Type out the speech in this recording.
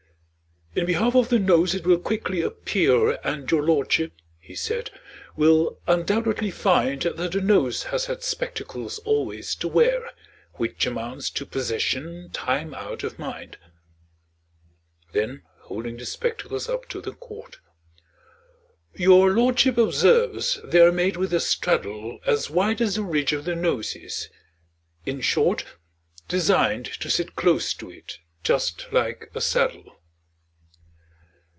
In behalf of the Nose it will quickly appear, And your lordship, he said, will undoubtedly find, That the Nose has had spectacles always to wear, Which amounts to possession time out of mind. Then holding the spectacles up to the court Your lordship observes they are made with a straddle As wide as the ridge of the Nose is; in short, Designed to sit close to it, just like a saddle.